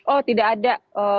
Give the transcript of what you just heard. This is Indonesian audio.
oh tidak ada